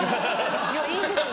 いいんですよ